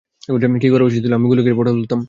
কী করা উচিত ছিল, আমিও গুলি খেয়ে পটল তুলতাম?